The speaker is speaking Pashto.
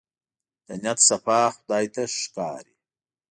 د نيت صفا خدای ته ښکاري.